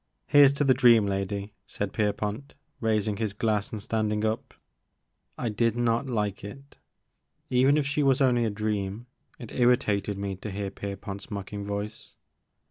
Here 's to the dream lady !" said Pierpont, raising his glass and standing up. 4a The Maker of Moons. 43 I did not like it. Even if she was only a dream, it irritated me to hear Pierpont's mocking voice.